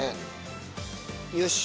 よし。